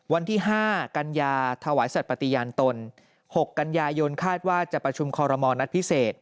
วันที่๕กันยาถวายสัตว์ปฏิญาณตน๖กันยายนคาดว่าจะประชุมคอรมณ์นัดพิเศษ